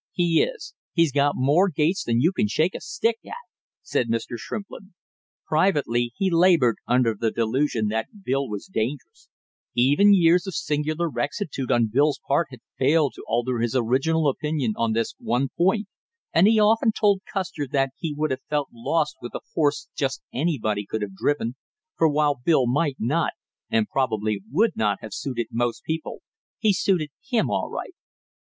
"He is. He's got more gaits than you can shake a stick at!" said Mr. Shrimplin. Privately he labored under the delusion that Bill was dangerous; even years of singular rectitude on Bill's part had failed to alter his original opinion on this one point, and he often told Custer that he would have felt lost with a horse just anybody could have driven, for while Bill might not and probably would not have suited most people, he suited him all right.